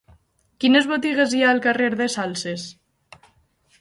Quines botigues hi ha al carrer de Salses?